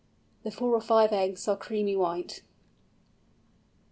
The four or five eggs are creamy white.